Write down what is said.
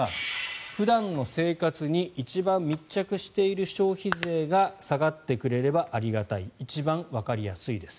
普段の生活に一番密着している消費税が下がってくれればありがたい一番わかりやすいです。